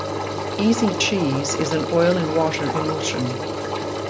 Easy Cheese is an oil-in-water emulsion.